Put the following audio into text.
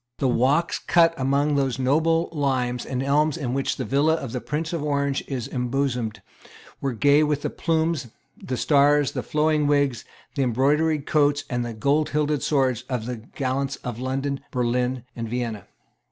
The walks cut among those noble limes and elms in which the villa of the Princes of Orange is embosomed were gay with the plumes, the stars, the flowing wigs, the embroidered coats and the gold hilted swords of gallants from London, Berlin and Vienna.